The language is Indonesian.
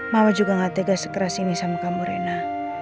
mama juga gak tegas keras ini sama kamu rena